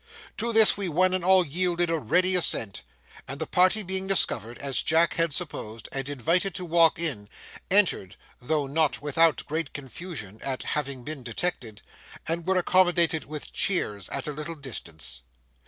To this we one and all yielded a ready assent, and the party being discovered, as Jack had supposed, and invited to walk in, entered (though not without great confusion at having been detected), and were accommodated with chairs at a little distance.